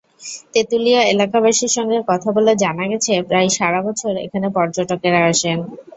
তেঁতুলিয়া এলাকাবাসীর সঙ্গে কথা বলে জানা গেছে, প্রায় সারা বছর এখানে পর্যটকেরা আসেন।